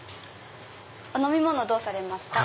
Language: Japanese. お飲み物どうされますか？